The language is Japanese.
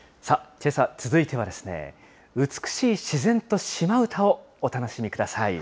けさ、続いては美しい自然と島唄をお楽しみください。